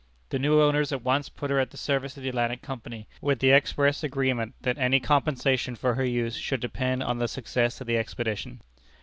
The new owners at once put her at the service of the Atlantic Company, with the express agreement that any compensation for her use should depend on the success of the expedition.